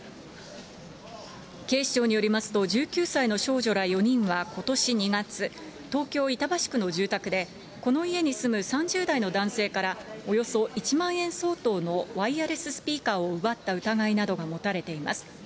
警視庁によりますと、１９歳の少女ら４人はことし２月、東京・板橋区の住宅でこの家に住む３０代の男性から、およそ１万円相当のワイヤレススピーカーを奪った疑いなどが持たれています。